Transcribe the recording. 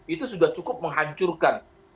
itu sudah cukup menghancurkan